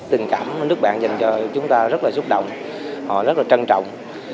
tình cảm nước bạn dành cho chúng ta rất là xúc động họ rất là trân trọng